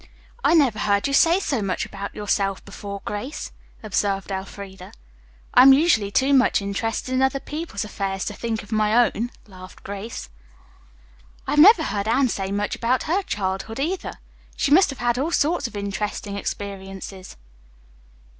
"I never heard you say so much about yourself before, Grace," observed Elfreda. "I'm usually too much interested in other people's affairs to think of my own," laughed Grace. "I have never heard Anne say much about her childhood, either. She must have had all sorts of interesting experiences."